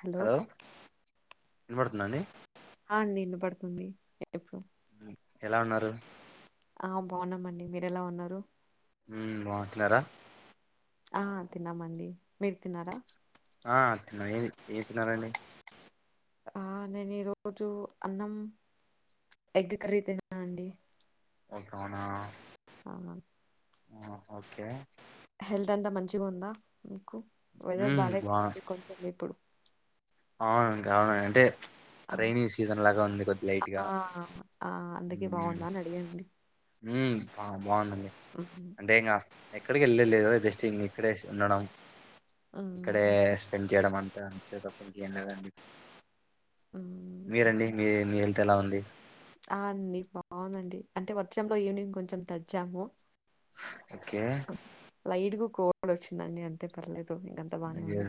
Hello వినపడుతుందా అండి హ నేను పడక ఉంది రేపు ఎలా ఉన్నారు ఆ బాగున్నామండి మీర ఎలా ఉన్నారు హుమ్ బాంటున్నారా ఆ తిన్నామండి మీరు తిన్నారా ఆ తిన్నా ఏది ఏం తన్నారండి ఆ నేను ఈ రోజు అన్నం ఎగ్ కర్రీ తిన్నానండి ఓకే అవునా ఆ ఆ ఓకే హెల్త్ అంతా మంచిగా ఉందా మీకు వెదర్ మ్మ్ బాగాలే బా కొంది ఇప్పుడు అవునండి అవునండి అంటే ఆ రైైని సీజన్ లాగా ఉంది కొద్దిలైట్గా ఆ ఆ అందుకే బాగుందా అని అడిగానండి హు బా బాగుందండి మ్మ్ అంటే ఇంగ ఎక్కడికి వెళ్ళ లేదు కదా జస్ట్ ఇం ఇక్కడే ఉండడం మ్మ్ ఇక్కడే ఓకే స్పెండ్ చేయడం అంతా అంతే తప్ప ఇంక ఏం లేదండి మ్మ్ మీరండి మీ మీ హెల్త్ ఎలా ఉంది ఆ అండి బాగుందండి అంటే వర్షంలో ఈవినింగ్ కొంచెం తగ్జాము ఓకే కొళ్డ్ వచ్చిందండి అంతే పర్లేదు ఇంకంతా బానే అయ్యొ ఉంది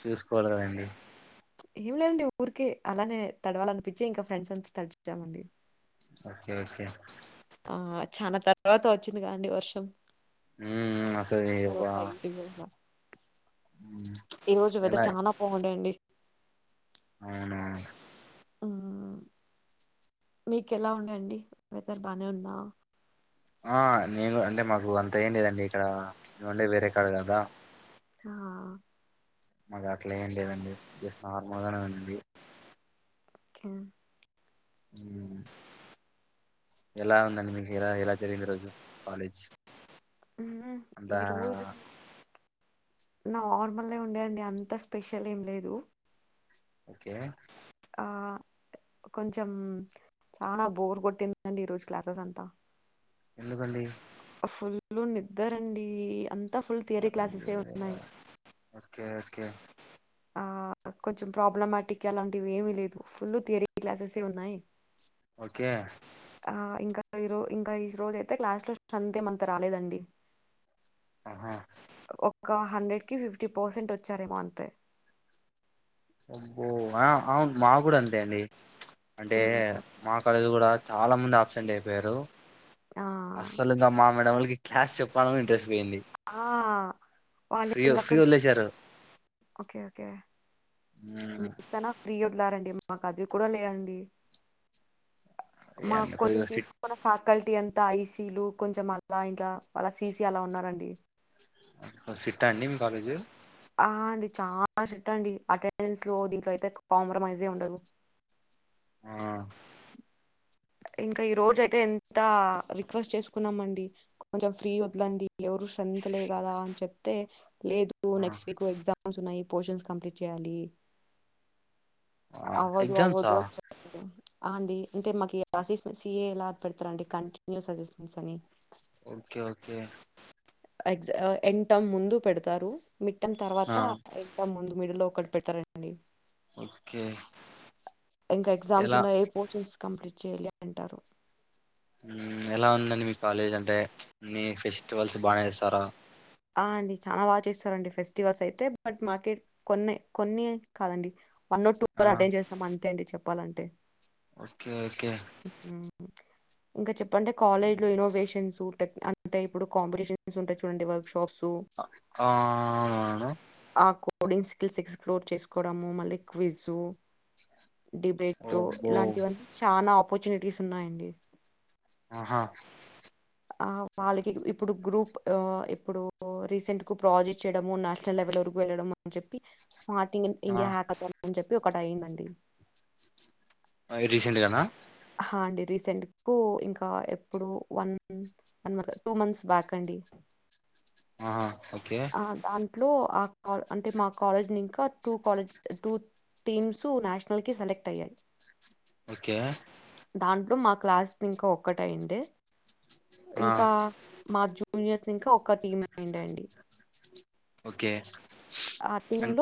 చూసుకోవాలి కదండి ఏం లేదండి ఊరికే అలానే తడవాలనిపించి ఇంకా ఫ్రెండ్స్ అంతా తడిచామండి ఓకే ఓకే ఆ చాన తర్వాత వచ్చింది కాండి వర్షం మ్మ్ అసలు ఈ సో ఒక లైట్గ అలా మ్మ్, ఈ రోజు వెదర్ చాలా బాగుండేయండి అవున ఆ మీకు ఎలా ఉండే అండి వేదర్ బానే ఉందా ఆ నేను అంటే మాకు అంత ఏం లేదండి ఇక్కడ నిను ఉండేది వేరే కాడ కదా హ మాకు అట్లా ఏం లేదండి జస్ట్ నార్మల్గానే ఉంది ఒకే ఉమ్ ఎలా ఉందండి మీకు ఎలా ఎలా జరిగింది ఈ రోజు కాలేజ్ హు మ్ అంతా ఈరోజు నార్మల్ ఉండే అండి అంత స్పెషల్ ఏం లేదు ఓకే ఆ కొంచెం చాలా బోర్ కొట్టిందండి ఈ రోజు క్లాసెస్ అంతా ఎందుకండి ఫుల్ నిద్దరండి అంతా ఫుల్ థియరీ క్లాసెస్సే ఉన్నాయి ఓకే ఓకే ఆ కొంచెం ప్రాబ్లమాటిక్ అలాంటివి ఏమీ లేదు ఫుల్ థియరీ క్లాసెస్సే ఉన్నాయి ఓకే ఆ ఇంకా ఈ రో ఇంకా ఈ రోజు అయితే క్లాస్ లో స్టాంత్ ఎం అంత రాలేదండి ఆహా ఒక్క హండ్రెడ్ కి ఫిఫ్టీ పర్సెంట్ వచ్చారేమో అంతే బ్బో ఆ అవును మా కూడా అంతే అండి అంటే ఉమ్, మా కలేజ్ ల కూడా చాలా మంది ఆప్సెంట్ అయిపోయారు ఆ, అసలు ఇంకా మా మేడంళకి క్లాస్ చెప్పాలన్న ఇంట్రెస్ట్ పోయింది ఆ, వాళ్ళు ఫ్రీ ఇంక ఫ్రీ అక్కడ వదిలేసారు ఓకే ఓకే ఆ లారండీమ్ మాకు అది కూడా లే అండి ఏ మాకు అండి, కొంచెం కొద్దిగా తీసుకున్న ఫల్ ఫకల్టీ అంతా ఐసీ లు కొంచెం అలా ఇంట్ల వాళ్ళ సిసి అలా ఉన్నారండి ఉ సిట్టా అండి మీ కాలేజు చానా సిట్టు అండి అటెండెన్స్ లో దీంట్లో అయితే కాంప్రమైజ్మే ఉండదు ఆ ఇంకా ఈ రోజు అయితే ఎంత రిక్వెస్ట్ చేసుకున్నాం అండి కొంచెం ఫ్రీ వదలండి ఎవరు స్ట్రెంత్ లే కదా అని చెప్తే లేదు ఆ నెక్స్ట్ వీక్ ఎగ్జామ్ ఉస్ ఉన్నాయి పోర్షన్స్ కంప్లీట్ చేయాలి ఆ, అవ్వదు ఎగ్జామ్సా అవ్వదు అని చెప్పితే అంది ఇంకేం మాకి అసిస్ంట్ సిఏ ఎలా పెడతారా అండి కంటిన్యూస్ అసిస్ంట్స్ అని ఓకే ఓకే ఆ ఎగ్జు ఎన్ టమ్ ముందు పెడతారు మిడ్ టమ్ ఆ తరువాత ఎ టమ్ ముందు మిడిల్ లో ఒకటి పెడుతారండీ ఓకే ఇంకా ఎగ్జామ్స్ ఎలా ఉన్నాయి ఏ పోర్షన్స్ కంప్లీట్ చేయాలి అంటారు ఉ ఎలా ఉందండి మీ కాలేజ్ అంటే మీ ఫెస్టివల్స్ బాగానే ఇస్తారా ఆ అండి చాలా బాగా చేస్తారండి ఫెస్టివల్స్ అయితే బట్ మార్కెట్ కొన్నే కొన్ని కాదండి వన్ టూ ఆ అటెండ్ చేస్తాం అంతే అండి చెప్పాలంటే ఓకే ఓకే హ్మ్. ఇంకా చెప్పు అంటే కాలేజీ లో ఇనోవేషన్స్ అంటే ఇప్పుడు కాంపిటీషన్స్ ఉంటాయి చూడండి వర్క్ షాప్స్ ఆ అవును ఆ కోడింగ్ స్కిల్స్ ఎక్స్ప్లోర్ చేసుకోవడము మళ్ళీ క్విజ్ డిబేటు అబ్బో ఇలాంటివన్నీ చాలా ఆపర్చునిటీస్ ఉన్నాయండి ఆహా ఆ వాళ్ళకి ఇప్పుడు గ్రూప్ ఆ ఇప్పుడు రీసెంట్ కు ప్రాజెక్ట్ చేయడము నేషనల్ లెవెల్ వరకు వెళ్ళడం అని చెప్పి స్మార్టింగ్ ఇన్ ఇండియా ఆ హ్యాక్ అకౌంట్ అని చెప్పి ఒకటి అయ్యిందండి ఐ రీసెంట్ గానా హా అండి రీసెంట్ కు ఇంకా ఎప్పుడు one one month two months back అండి ఆహా ఓకే లో ఆకు ఆల్ అంటే మా కాలేజ్ ని ఇంకా టూ కాలేజ్ టూత్ టీమ్స్ నేషనల్ కి సెలెక్ట్ అయ్యాయి ఓకే దాంట్లో మా క్లాస్ ది ఇంకా ఒకటి అయ్యిండే ఆ ఇంకా మా జు ఉన్యస్నింకో ఓకే అన్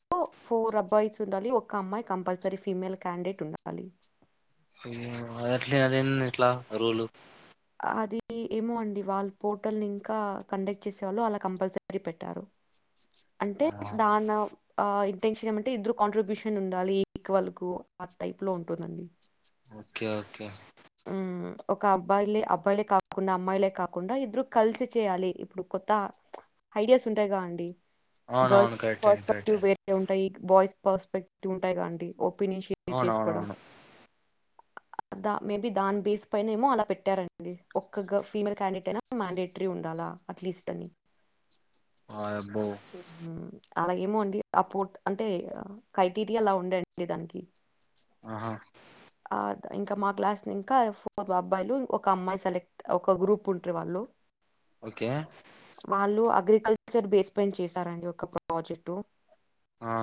ఫోర్ అబ్బాయిచ్ ఉండాలి ఒక అమ్మాయి కంపల్సరీ ఫీమేల్ క్యాండిడేట్ ఉండాలి అది ఏంది ఇట్లా రోలు అది ఏమో అండి వాళ్ళ పోర్టల్ని ఇంకా కండక్ట్ చేసేవాళ్ళు అలా కంపల్సరీ పెట్టారు అంటే ఆ దానవు ఆ ఇంటెన్షన్ ఏమంటే ఇద్దరు కాంట్రిబ్యూషన్ ఉండాలి ఈక్వల్ కు ఆ టైప్ లో ఉంటుందండి ఓకే ఓకే హ్మ్. ఒక అబ్బాయిలే అబ్బాయిలే కాకుండా అమ్మాయిలే కాకుండా ఇద్దరు కలిసి చేయాలి ఇప్పుడు కొత్త ఐడియాస్ ఉంటాయి గ అండి గర్ల్స్ అవునవును కరెక్టే అండి పర్స్పెక్టివ్ కరెక్టే వేరే ఉంటాయి బాయ్స్ పర్స్పెక్టివ్ ఉంటాయి కండి ఒపీనియన్ షేర్ చేసుకోవడం అవునవునవును [inaudible] ద మేబీ దాని బేస్ పైన ఏమో అలా పెట్టారండి ఒక్కగా ఫీమేల్ క్యాండిడేట్ అయినా మ్యాండేటరీ ఉండాలా అట్లీస్ట్ అని హాయ్ అబ్బో హ్మ్. అలా ఏమో అండి ఆపోట్ అంటే క్రైటీరియా అలా ఉండే అండి దానికి ఆహా ఇంకా మా క్లాస్ ని ఇంకా ఫోర్ అబ్బాయిలు ఒక అమ్మాయి సెలెక్ట్ ఒక గ్రూప్ ఉంటారు వాళ్ళు ఓకే వాళ్ళు అగ్రికల్చర్ బేస్ పైన చేస్తారండి ఒక ప్రాజెక్ట్ ఆ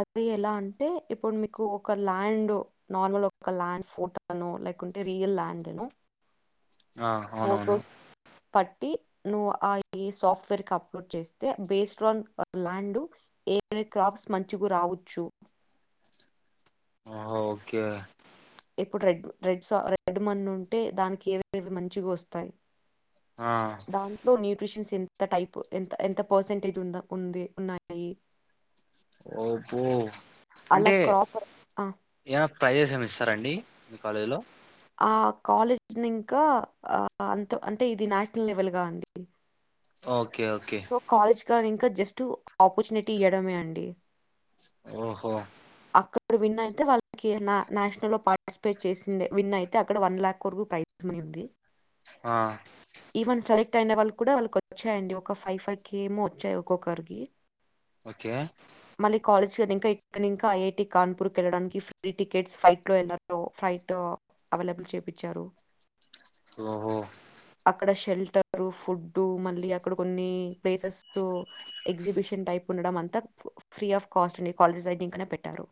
అది ఎలా అంటే ఇప్పుడు మీకు ఒక ల్యాండ్ నార్మల్ ఒక ల్యాండ్ ఫోటోను లేకుంటే రియల్ ల్యాండ్ను ఆ అవునవును ఫొటోస్ పట్టి నువ్వు ఆ సాఫ్ట్వేర్ కి అప్లోడ్ చేస్తే బేస్డ్ ఆన్ ల్యాండ్ ఏవ క్రాప్స్ మంచగు రావచ్చు ఆ ఓకే ఇప్పుడు రెడ్ రెడ్ రెడ్ మన్ ఉంటే దానికి ఏవ మంచిగా వస్తాయి ఆ దాంట్లో నీరు న్యూట్రిషన్స్ ఎంత టైప్ ఎ ఎంత పర్సెంటేజ్ ఉ ఉంది ఉన్నాయి ఓపో అలా అంటే క్రాప్ ఆ ఏమైన ప్రైజెస్ ఏమైన ఇస్తారం అండి మీ కాలేజీ లో ఆ కాలేజ్ ఇంకా ఆ అంత అంటే ఇది నేషనల్ లెవెల్ గా ఉంది ఓకే ఓకే ఇంకా జస్ట్ ఆపర్చునిటీ ఇవ్వడమే అండి ఓహో ఇప్పుడు విన్ అయితే వాళ్ళకి నేషనల్ లో పార్టిసిపేట్ చేసింది విన్ అయి అక్కడ వన్ వన్ లాక్ వరకు ప్రైజ్ మనీ ఉంది ఆ ఈవెన్ సెలెక్ట్ అయిన వాళ్ళు కూడా వాళ్ళకి వచ్చాయండి ఒక ఫైవ్ ఫైవ్ కె ఏమో వచ్చాయి ఒక్కొక్కరికి ఓకే మళ్ళీ కాలేజ్ కనీ ఇంకా ఇంకా ఐటి కాన్పూర్ క వెళ్ళడానికి ఫ్రీ టికెట్స్ ఫ్లైట్ లో వెళ్లో ఫ్లైట్ అవైలబుల్ చేపిచ్చారు ఓహో షెల్టర్ ఫుడ్ మళ్ళీ అక్కడ కొన్ని ప్లేసెస్ ఎగ్జిబిషన్ టైప్ ఉండడం ఆంత ఫ్రీ ఆఫ్ కాస్ట్ ఉ కాలేజీ సై ఇంక పెట్టారు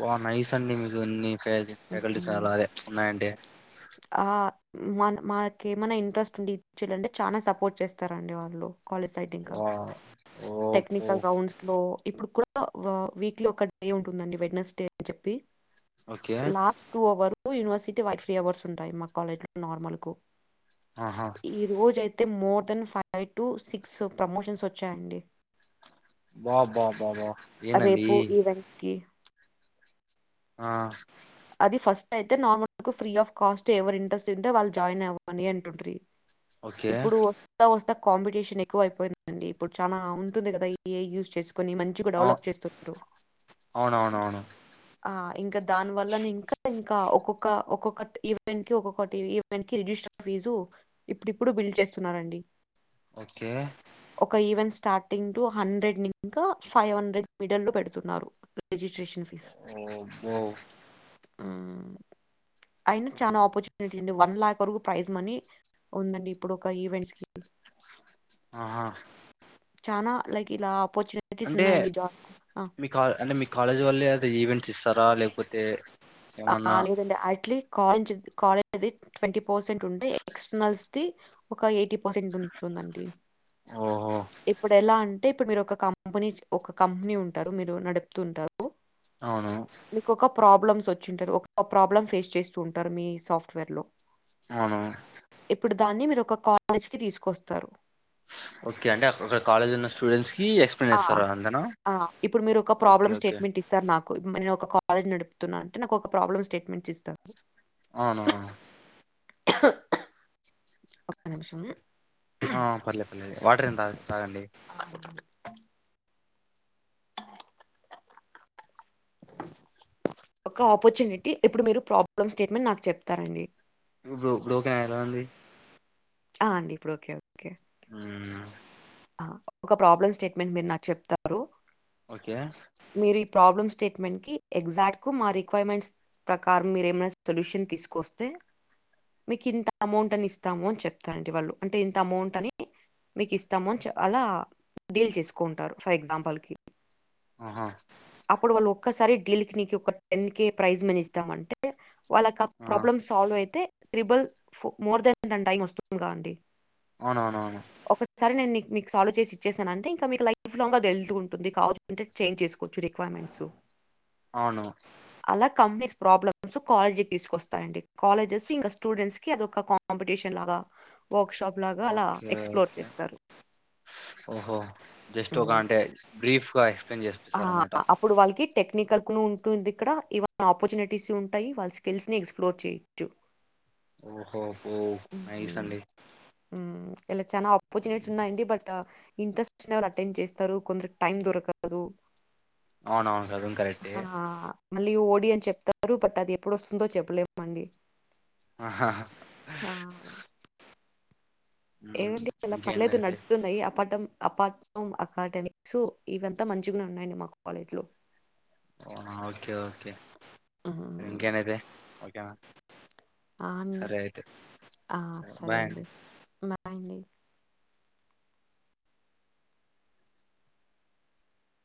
బా నైస్ అండి మీకు ఇన్ని ఫ్యాక ఫ్యాకల్టీస్ మ్మ్. చాలా అదే ఉన్నాయండి మ మాకు ఏమైనా ఇంట్రెస్ట్ ఉంది ఇచ్చలంటే చాలా సపోర్ట్ చేస్తారండి వాళ్ళు కాలేజ్ సైట్ ఇంకా వా ఓపో టెక్నికల్ గ్రౌండ్స్ లో ఇప్పుడు కూడా వీక్లీ ఒక డే ఉంటుందండి వెడ్నెస్ డే అని చెప్పి okay last two hour university వైట్ త్రీ అవర్స్ ఉంది మా కాలేజ్ లో నార్మల్ కు ఆహా ఈ రోజ అయితే అయితే more than five to six promotions వచ్చాయండి బాబా బాబా ఏందండి రేపు ఈవెంట్స్ కి ఆ అది ఫస్ట్ అయితే నార్మల్ కు ఫ్రీ ఆఫ్ కాస్ట్ ఎవరి ఇంట్రెస్ట్ తింటే వాళ్ళు జాయిన్ అవ్వాలని అంటుండ్రి ఓకే ఇప్పుడు వస్తా వస్తా కాంపిటీషన్ ఎక్కువ అయిపోయిందండి ఇప్పుడు చాలా ఉంటుంది కదా ఏ యూజ్ చేసు కొన్నీ మంచిగా అ డెవలప్ చేస్తున్రూ అవునవునవును ఆ ఇంకా దానీ వల్ల ఇంకా ఇంకా ఒక్కొక్క ఒక్కొక్క ఈవెంట్ కి ఒక్కొక్కటి ఈవెంట్ కి రిజిస్టర్ ఫీజు ఇప్పుడుప్పుడు బిల్డ్ చేస్తున్నారండి ఓకే ఒక ఈవెంట్ స్టార్టింగ్ టు హండ్రెడ్ ఇంకా ఫైవ్ హండ్రెడ్ మిడల్ లో పెడుతున్నారు రజిస్ట్రేషన్ ఫీస్ ఓ బో ఉ అయినా చనాపర్చని వన్ లాక్ వరకు ప్రైజ్ మనీ ఉందండి ఇప్పుడు ఒక ఈవెంట్స్ కి ఆహా చానా లైకిలా అంటే మీ కా అంటే మీ కాలేజ్ వల్లేతే ఈవెంట్స్ ఇస్తారా లేకపోతే ఆ ఏమన్నా లేదండి అట్లే కాల్ కాలేజ్ అది ట్వంటీ పర్సెంట్ ఉంటే ఎక్స్టర్నల్స్ ది ఒక ఎయిటీ పర్సెంట్ ఉంటుందండి. ఓహో ఇప్పుడ్ ఎలా అ టే ఇప్పుడ్ మీర్ ఒక కంపెనీ ఒక కంపెనీ ఉంటారు మీరు నడుప్తూ ఉంటారు. అవును. ప్రాబ్లమ్స్ వచ్చింటర్ ఒక ప్రాబ్లమ్ ఫేస్ చేస్తూ ఉంటరు మీ సాఫ్ట్వేర్లో అవును ఇప్పుడు దాన్ని మీర్ ఒక కాలేజ్కి తీస్కొస్తరు. ఓకే అంటే అక్కడ కాలేజ్లో ఉన్న స్టూడెంట్స్ కి ఎక్స్ప్లెయిన్ ఆ చేస్తారా అంతేనా ఆ ఇప్పుడ్ మీరొక ఓకే ప్రాబ్లమ్ ఓకే స్టేట్మెంట్ ఇస్తర్ నా కు నేన్ ఒక కాలేజ్ నడుపుతున్నా అంటే నాకొక ప్రాబ్లం స్టేట్మెంట్స్ ఇస్తర్ అవును ఒక్క నిమిషం. ఆ పర్లే పర్లే వాటర్ ఏం త తాగండి. ఆ ఒక ఆపర్చునిటీ ఇప్పుడు మీరు ప్రాబ్లమ్ స్టేట్మెంట్ నాకు చెప్తారండి. [unintelligible] ఆ అండి ఇప్పుడ్ ఓకే ఓకే మ్ ఒక ప్రాబ్లమ్ స్టేట్మెంట్ మీర్ నాక్ చెప్తారు. ఓకే మీరు ఈ ప్రాబ్లమ్ స్టేట్మెంట్కి ఎగ్జాక్టు మా రిక్వైర్మెంట్స్ ప్రకారం మీరేమైనా సొల్యూషన్ తీసుకొస్తే మీకింత అమౌంట్ అని ఇస్తాము అని చెప్తానండి వాళ్ళు అంటే ఇంత అమౌంట్ అని మీక్ ఇస్తామున్ అలా డీల్ చేస్కుంటారు ఫర్ ఎగ్జాంపుల్కి ఆహా అప్పుడు వాళ్ళు ఒక్కసారి డీల్కి నీకి ఒక టెన్ కే ప్రైజ్ మన్ ఇస్తాం అంటే వాళ్ళక్ ఆ ప్రాబ్లమ్ సాల్వ్ అయితే ట్రిబల్ మోర్ దెన్ దాన్ టైం వస్తుంకా అండి అవునవునవును. సరే నేన్ నీక్ నిక్ సాల్వ్ చేసి ఇచ్చేసానంటే ఇంకా మీక్ లైఫ్ లాంగ్ అది ఎళ్తు ఉంటుంది [inaudible] చేంజ్ చేస్కో వచ్చు రిక్వైర్మెంట్సు అవును అలా కంపెనీస్ ప్రాబ్లమ్స్ కాలేజ్కి తీస్కొస్తాయండి. కాలేజెస్ ఇంకా స్టూడెంట్స్కి అదొక కాంపిటీషన్ లాగా వర్క్ షాప్ లాగా అలా ఓకే ఎక్స్ప్లోర్ ఓకే చేస్తారు. ఓహో జస్ట్ ఒక అంటే బ్రీఫ్ గా ఎక్స్ప్లెయిన్ ఆ చేపిస్తారు అన్నమాట అప్పుడు వాళ్ళకి టెక్నికల్ ఉంటుంది ఇక్కడ ఇవ ఆపర్చునిటీస్ ఉంటాయి వాళ్ళ స్కిల్స్ని ఎక్స్ప్లోర్ చేయచ్చు. ఓహో పో నైస్ అండి. హ్మ్. ఇలా చాలా ఆపర్చునిటీస్ ఉన్నాయండి బట్ ఇంట్రెస్ట్ ఉన్న వాళ్ళు అటెండ్ చేస్తారు కొందరికి టైం దొరక కదు. అవునవును అది కరెక్టే మళ్ళీ ఓడి అన్ చెప్తారు బట్ అది ఎప్పుడొస్తుందో చెప్పలేమండి. హ ఉమ్ ఏంటి అలా పర్లేదు ఇంకేందైతే నడుస్తున్నయి అపటం అపార్ట్ అకాడమిక్సు ఇవంతా మంచిగనే ఉన్నాయండి మా కాలేజ్లో అవునా ఓకే ఓకే హ్మ్. ఇంకేనైతే ఓకేనా ఆ! అండి. సరే అయితే ఆ! సరే బాయ్ అం అండి. బాయ్ అండి